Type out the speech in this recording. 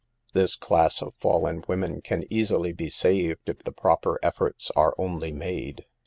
This class of fallen women can easily be saved, if the proper efforts are only made.